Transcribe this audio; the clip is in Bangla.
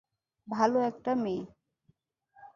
ভালো একটা মেয়ে।